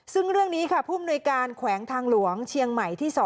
ซึ่งเรื่องนี้ค่ะผู้มนุยการแขวงทางหลวงเชียงใหม่ที่๒